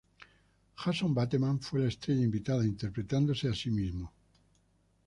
Jason Bateman fue la estrella invitada, interpretándose a sí mismo.